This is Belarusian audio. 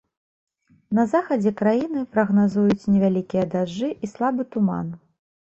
На захадзе краіны прагназуюць невялікія дажджы і слабы туман.